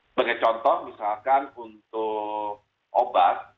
sebagai contoh misalkan untuk obat